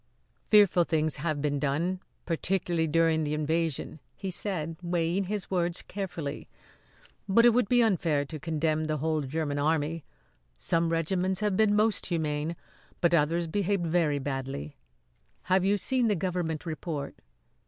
"Fearful things have been done, particularly during the invasion," he said, weighing his words carefully; "but it would be unfair to condemn the whole German Army. Some regiments have been most humane; but others behaved very badly. Have you seen the government report?"